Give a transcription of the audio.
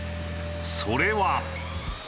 それは。